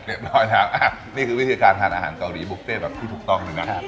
เรียบร้อยแล้วนี่คือวิธีการทานอาหารเกาหลีบุฟเฟ่แบบที่ถูกต้องเลยนะ